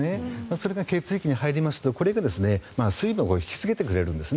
それが血液に入りますとそれが水分を引きつけてくれるんです。